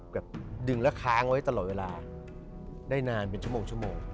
แบบดึงแล้วค้างไว้ตลอดเวลาได้นานเป็นชั่วโมง